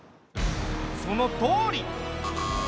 そのとおり。